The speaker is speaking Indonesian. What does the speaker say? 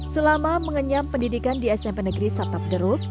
selama mengenyam pendidikan di smp negeri satapderut